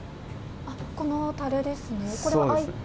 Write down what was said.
このたるですね。